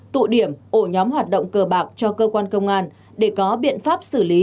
tụ điểm ổ nhóm hoạt động cờ bạc cho cơ quan công an để có biện pháp xử lý